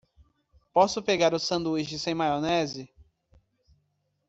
Posso pegar o sanduíche sem maionese?